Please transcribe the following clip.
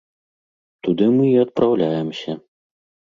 Туды мы і адпраўляемся.